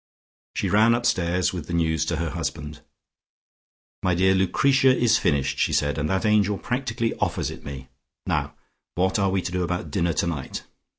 She ran upstairs with the news to her husband. "My dear, 'Lucretia' is finished," she said, "and that angel practically offers it me. Now what are we to do about dinner tonight?